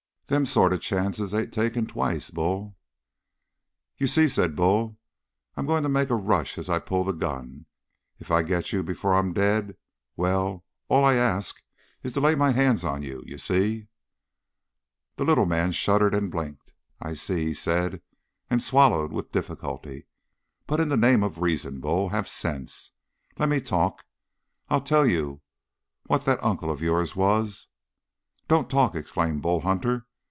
"Them sort of chances ain't taken twice, Bull!" "You see," said Bull, "I'm going to make a rush as I pull the gun, and if I get to you before I'm dead, well all I ask is to lay my hands on you, you see?" The little man shuddered and blinked. "I see," he said, and swallowed with difficulty. "But, in the name of reason, Bull, have sense! Lemme talk! I'll tell you what that uncle of yours was " "Don't talk!" exclaimed Bull Hunter.